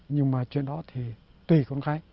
nhưng mà chuyện đó thì tùy con cái